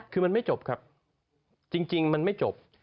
คือมันไม่จบครับจริงมันไม่จบ